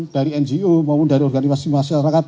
dari ngo maupun dari organisasi masyarakat